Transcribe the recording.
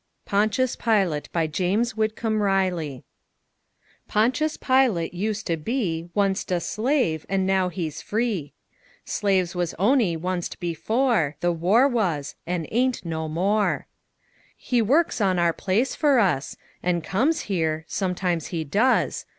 PONCHUS PILUT BY JAMES WHITCOMB RILEY Ponchus Pilut used to be 1st a Slave, an' now he's free. Slaves wuz on'y ist before The War wuz an' ain't no more. He works on our place fer us, An' comes here sometimes he does.